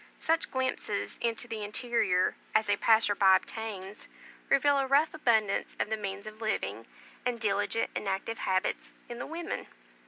Such glimpses into the interior as a passer by obtains, reveal a rough abundance of the means of living, and diligent and active habits in the women.